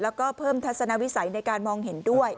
แล้วก็เพิ่มทัศนวิสัยในการมองเห็นด้วย